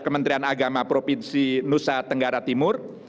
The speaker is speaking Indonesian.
kementerian agama provinsi nusa tenggara timur